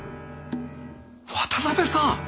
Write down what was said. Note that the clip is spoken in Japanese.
渡辺さん